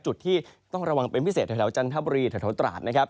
จุดที่ต้องระวังเป็นพิเศษแถวจันทบุรีแถวตราดนะครับ